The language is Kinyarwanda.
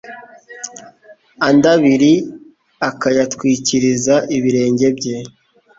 andi abiri akayatwikiriza ibirenge bye